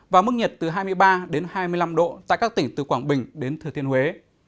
và mức nhiệt từ hai mươi ba đến hai mươi năm độ tại các tỉnh từ quảng bình đến thừa thiên huế